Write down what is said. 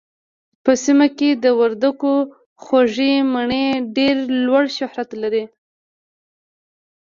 په سيمه کې د وردګو خوږې مڼې ډېر لوړ شهرت لري